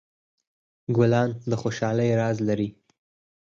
ګلان د خوشحالۍ راز لري.